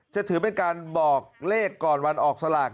ถือเป็นการบอกเลขก่อนวันออกสลาก